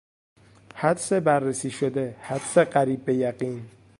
حدس بررسی شده، حدس قریب به یقین